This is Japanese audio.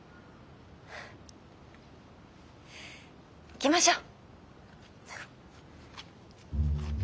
行きましょう！